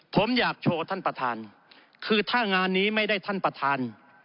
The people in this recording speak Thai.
ผมอยากโชว์ท่านประธานคือถ้างานนี้ไม่ได้ท่านประธาน